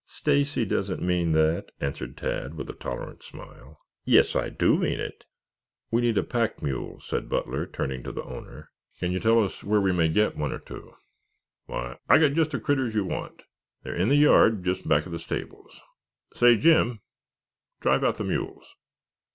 "Stacy doesn't mean that," answered Tad with a tolerant smile. "Yes, I do mean it." "We need a pack mule," said Butler, turning to the owner. "Can you tell us where we may get one or two?" "Why, I've got just the critters you want. They're in the yard just back of the stables. Say, Jim, drive out the mules."